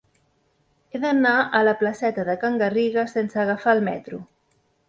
He d'anar a la placeta de Can Garriga sense agafar el metro.